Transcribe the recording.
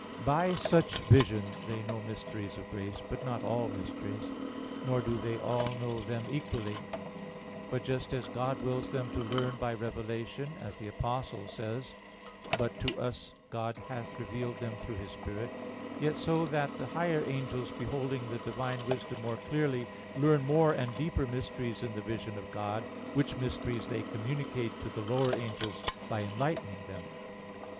By such vision they know mysteries of grace, but not all mysteries: nor do they all know them equally; but just as God wills them to learn by revelation; as the Apostle says (1 Cor. 2:10): "But to us God hath revealed them through His Spirit"; yet so that the higher angels beholding the Divine wisdom more clearly, learn more and deeper mysteries in the vision of God, which mysteries they communicate to the lower angels by enlightening them.